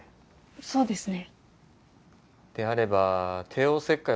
そうですね。